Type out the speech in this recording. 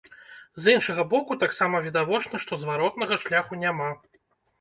З іншага боку, таксама відавочна, што зваротнага шляху няма.